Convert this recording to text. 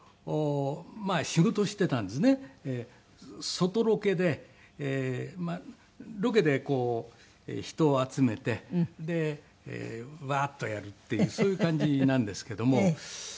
外ロケでロケでこう人を集めてでワーッとやるっていうそういう感じなんですけども。